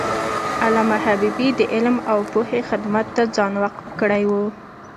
علامه حبیبي د علم او پوهې خدمت ته ځان وقف کړی و.